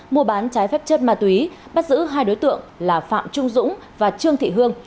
mua bán trái phép chất ma túy bắt giữ hai đối tượng là phạm trung dũng và trương thị hương